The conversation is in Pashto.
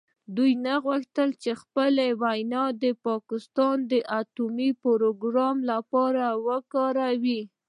دوی نه غوښتل چې خپله وینه د پاکستان اټومي پروګرام لپاره وکاروي.